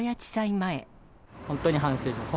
本当に反省しています。